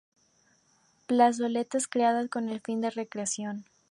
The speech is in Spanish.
Plazoletas creadas con el fin de recreación.